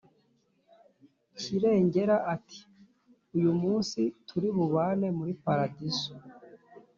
kirengera ati, uyu munsi turi bubane muri paradiso